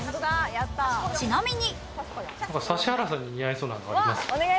ちなみに。